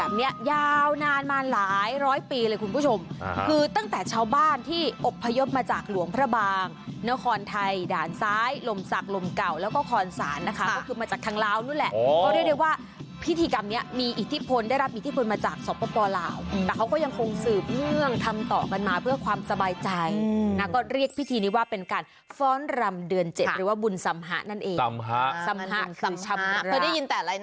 เก่าแล้วก็คอนศาลนะคะก็คือมาจากทางลาวนู่นแหละก็เรียกได้ว่าพิธีกรรมเนี้ยมีอิทธิพลได้รับอิทธิพลมาจากศพปลาวอืมแต่เขาก็ยังคงสืบเมื่องทำต่อกันมาเพื่อความสบายใจอืมแล้วก็เรียกพิธีนี้ว่าเป็นการฟ้อนรำเดือนเจ็ดหรือว่าบุญสำหะนั่นเองสำหะสำหะสำหะ